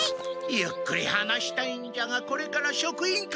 ゆっくり話したいんじゃがこれから職員会議があってのう。